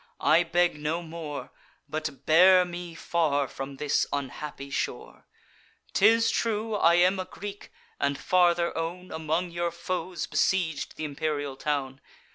I beg no more; But bear me far from this unhappy shore. 'Tis true, I am a Greek, and farther own, Among your foes besieg'd th' imperial town.